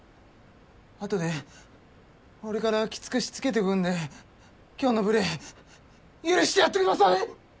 あとで俺からきつくしつけとくんで今日の無礼許してやってください！